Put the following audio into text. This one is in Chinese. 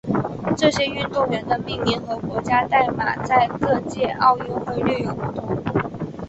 这些运动员的命名和国家代码在各届奥运会略有不同。